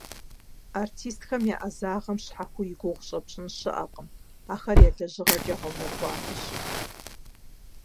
Артистхэм я ӏэзагъэм щхьэхуэу и гугъу щӏэпщӏын щыӏэкъым, ахэр я лэжьыгъэкӏэ гъэунэхуахэщи.